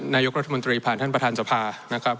นายกรัฐมนตรีผ่านท่านประธานสภานะครับ